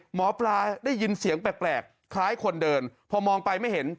หมอปลาได้ยินเสียงแปลกคล้ายคนเดินพอมองไปไม่เห็น